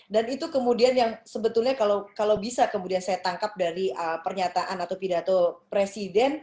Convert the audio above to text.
dan itu kemudian yang sebetulnya kalau bisa kemudian saya tangkap dari pernyataan atau pidato presiden